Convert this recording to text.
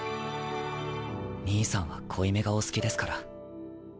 兄さんは濃いめがお好きですから。